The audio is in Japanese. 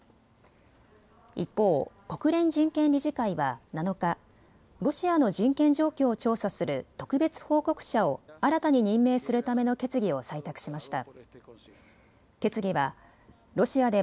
一方、国連人権理事会は７日、ロシアの人権状況を調査する特別報告者を新たに任命するための決議を採択しました。